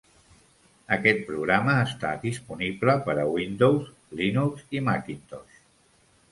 Aquest programa està disponible per a Windows, Linux i Macintosh.